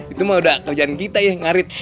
itu mah udah kerjaan kita ya ngarit